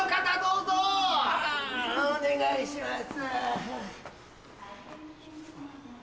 判定お願いします。